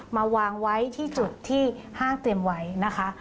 มาวางไว้ที่จุดที่ห้างเตรียมไว้นะคะ